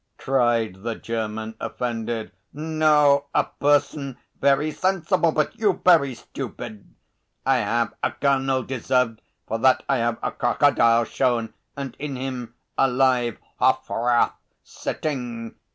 cried the German, offended. "No, a person very sensible, but you very stupid! I have a colonel deserved for that I have a crocodile shown and in him a live hofrath sitting!